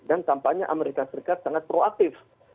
dan tampaknya amerika serikat sangat proaktif